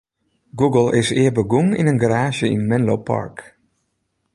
Google is ea begûn yn in garaazje yn Menlo Park.